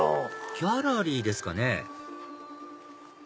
ギャラリーですかね？